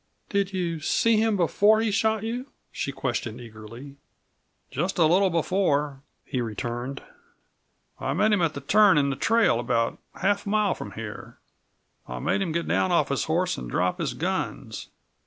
"Did you see him before he shot you?" she questioned eagerly. "Just a little before," he returned. "I met him at a turn in the trail about half a mile from here. I made him get down off his horse and drop his guns.